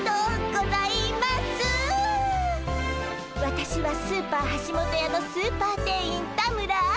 私はスーパーはしもとやのスーパー店員田村愛。